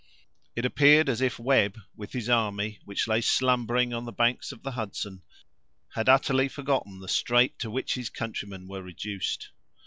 It appeared as if Webb, with his army, which lay slumbering on the banks of the Hudson, had utterly forgotten the strait to which his countrymen were reduced.